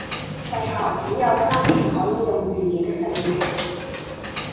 為何只有翻譯可以用自己的姓名